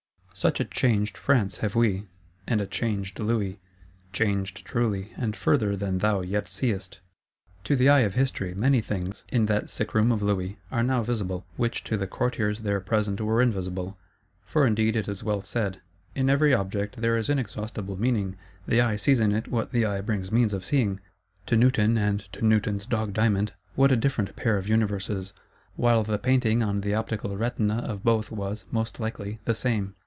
Such a changed France have we; and a changed Louis. Changed, truly; and further than thou yet seest!—To the eye of History many things, in that sick room of Louis, are now visible, which to the Courtiers there present were invisible. For indeed it is well said, "in every object there is inexhaustible meaning; the eye sees in it what the eye brings means of seeing." To Newton and to Newton's Dog Diamond, what a different pair of Universes; while the painting on the optical retina of both was, most likely, the same!